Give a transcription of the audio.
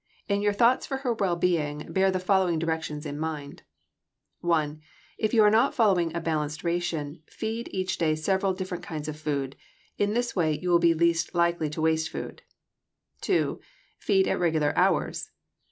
In your thoughts for her well being, bear the following directions in mind: 1. If you are not following a balanced ration, feed each day several different kinds of food. In this way you will be least likely to waste food. 2. Feed at regular hours.